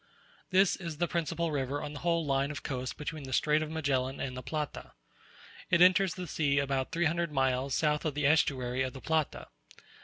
This is the principal river on the whole line of coast between the Strait of Magellan and the Plata. It enters the sea about three hundred miles south of the estuary of the Plata.